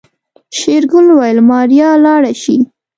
شېرګل وويل ماريا لاړه شي.